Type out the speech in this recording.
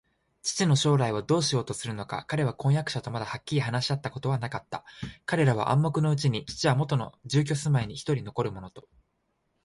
父の将来をどうしようとするのか、彼は婚約者とまだはっきり話し合ったことはなかった。彼らは暗黙のうちに、父はもとの住居すまいにひとり残るものときめていた